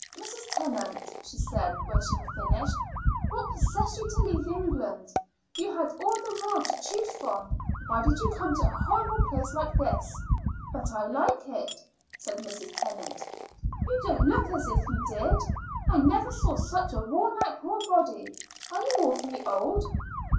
"Mrs. Tennant," she said when she had finished, "what possessed you to live in England? You had all the world to choose from. Why did you come to a horrible place like this?" "But I like it," said Mrs. Tennant. "You don't look as if you did. I never saw such a worn out poor body. Are you awfully old?"